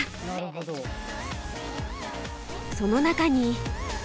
その中に。